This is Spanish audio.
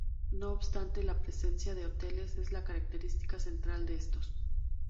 No obstante, la presencia de hoteles es la característica central de estos.